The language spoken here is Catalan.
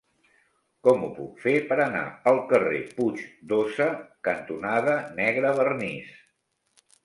Com ho puc fer per anar al carrer Puig d'Óssa cantonada Negrevernís?